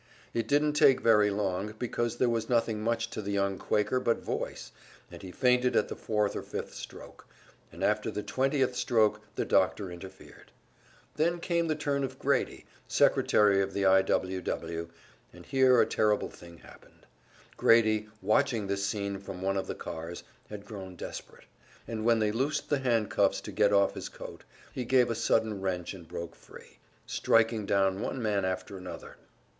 It didn't take very long, because there was nothing much to the young Quaker but voice, and he fainted at the fourth or fifth stroke, and after the twentieth stroke the doctor interfered. Then came the turn of Grady, secretary of the I. W. W., and here a terrible thing happened. Grady, watching this scene from one of the cars, had grown desperate, and when they loosed the handcuffs to get off his coat, he gave a sudden wrench and broke free, striking down one man after another.